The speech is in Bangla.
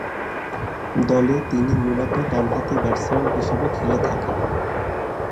দলে তিনি মূলতঃ ডানহাতি ব্যাটসম্যান হিসেবে খেলে থাকেন।